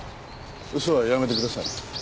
嘘はやめてください。